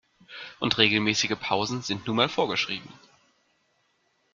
Und regelmäßige Pausen sind nun mal vorgeschrieben.